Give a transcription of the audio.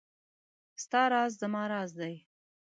ستا راز زما راز دی .